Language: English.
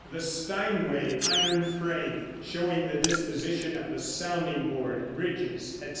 75. THE STEINWAY IRON FRAME. (Showing the disposition of the sounding board, bridges, etc.)